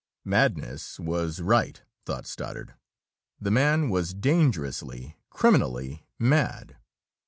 Madness was right, thought Stoddard. The man was dangerously, criminally mad.